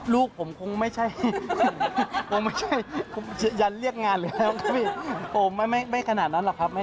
ลูกผมคงไม่ใช่ยันเรียกงานเลยครับครับพี่